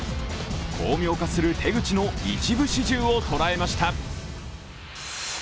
巧妙化する手口の一部始終を捉えました。